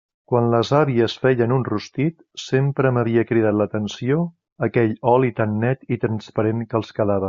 Quan les àvies feien un rostit, sempre m'havia cridat l'atenció aquell oli tan net i transparent que els quedava.